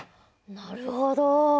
なるほど。